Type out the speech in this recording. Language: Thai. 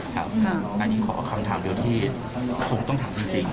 อันนี้ขอคำถามเดียวที่คงต้องถามจริง